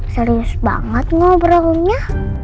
serius banget ngobrolnya